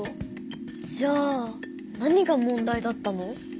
じゃあ何が問題だったの？